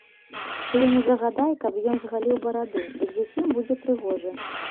Ты яму загадай, каб ён згаліў бараду, дык зусім будзе прыгожы.